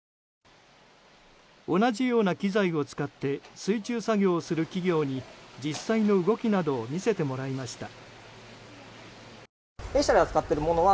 同じような機材を使って水中作業する企業に実際の動きなどを見せてもらいました。